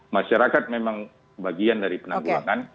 masyarakat memang bagian dari penanggulangan